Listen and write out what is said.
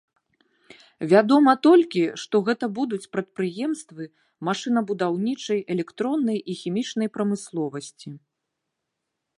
Вядома толькі, што гэта будуць прадпрыемствы машынабудаўнічай, электроннай і хімічнай прамысловасці.